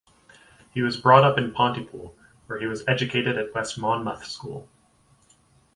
He was brought up in Pontypool, where he was educated at West Monmouth School.